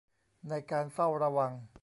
ในการเฝ้าระวัง